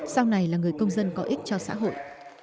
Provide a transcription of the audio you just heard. sau này là người công dân có ích cho xã hội